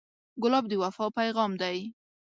ګلاب د وفا پیغام دی.